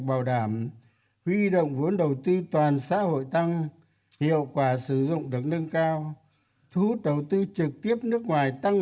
bàn chấp hành trung ương tin rằng